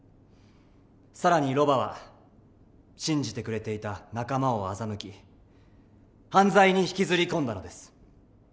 更にロバは信じてくれていた仲間を欺き犯罪に引きずり込んだのです。